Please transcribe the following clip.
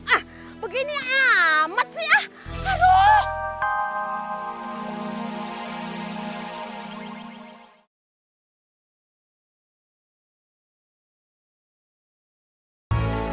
ah begini amat sih ya